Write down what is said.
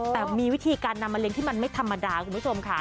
แต่มีวิธีการนำมะเร็งที่มันไม่ธรรมดาคุณผู้ชมค่ะ